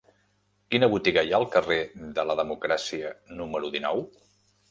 Quina botiga hi ha al carrer de la Democràcia número dinou?